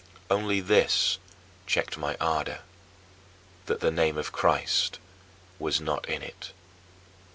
Only this checked my ardor: that the name of Christ was not in it.